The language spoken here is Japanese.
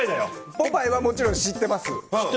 ポパイはもちろん知ってます。